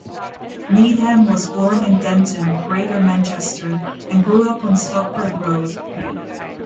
Needham was born in Denton, Greater Manchester, and grew up on Stockport Road.